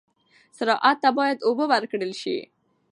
زراعت ته باید اوبه ورکړل شي.